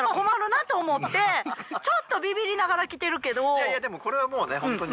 いやいやでもこれはもうねホントに。